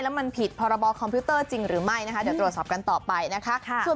ถ้ามันผิดพอระบอบคอมพิวเตอร์จริงหรือไม่เดี๋ยวตรวจสอบกันต่อไปนะครับ